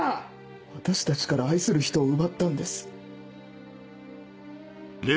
私たちから愛する人を奪ったんです。